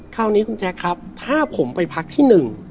คราวนี้คุณแจ๊คครับถ้าผมไปพักที่หนึ่ง